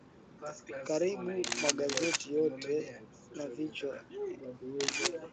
karibu magazeti yote na vichwa vya mbele